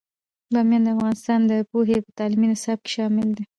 بامیان د افغانستان د پوهنې په تعلیمي نصاب کې شامل دی.